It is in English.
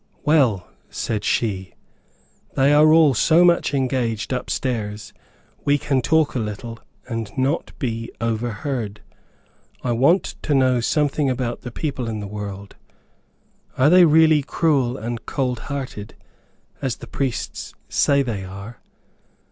"Well," said she, "they are all so much engaged up stairs, we can talk a little and not be overheard. I want to know something about the people in the world. Are they really cruel and cold hearted, as the priests say they are?